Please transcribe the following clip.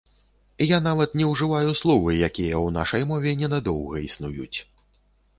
Я нават не ўжываю словы, якія ў нашай мове не надоўга існуюць.